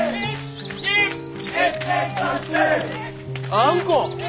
あんこ！